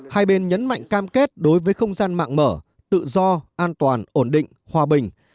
hai bên nhấn mạnh cam kết đối với không gian mạng mở tự do an toàn ổn định hòa bình